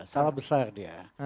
salah besar dia